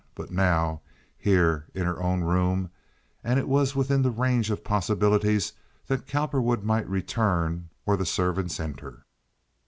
But now, here, in her own room—and it was within the range of possibilities that Cowperwood might return or the servants enter.